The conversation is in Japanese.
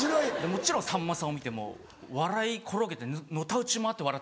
もちろんさんまさんを見てもう笑い転げてのたうち回って笑ってるんですね。